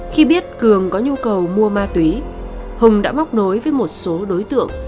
khi biết cường có nhu cầu mua ma túy hùng đã móc nối với một số đối tượng